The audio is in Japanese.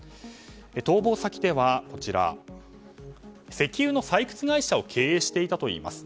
逃亡先では、石油の採掘会社を経営していたといいます。